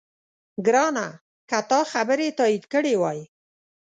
ګرانه! که تا خبرې تایید کړې وای،